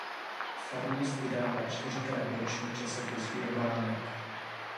Farnost vydává čtyřikrát ročně časopis Urbánek.